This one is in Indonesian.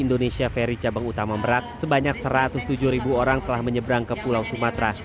indonesia ferry cabang utama merak sebanyak satu ratus tujuh orang telah menyeberang ke pulau sumatera